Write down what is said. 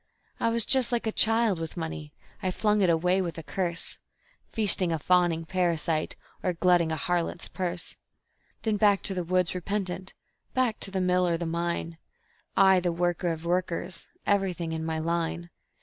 I was just like a child with money; I flung it away with a curse, Feasting a fawning parasite, or glutting a harlot's purse; Then back to the woods repentant, back to the mill or the mine, I, the worker of workers, everything in my line.